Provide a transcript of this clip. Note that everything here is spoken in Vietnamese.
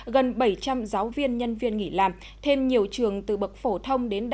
gần bảy trăm linh giáo viên nhân viên nghỉ làm thêm nhiều trường từ bậc phổ thông đến